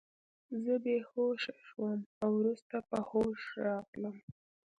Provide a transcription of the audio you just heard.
زه بې هوښه شوم او وروسته په هوښ راغلم